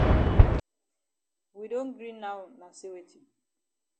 We don gree now na say weti?